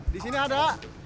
di sini ada